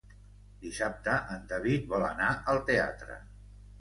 Dissabte en David vol anar al teatre.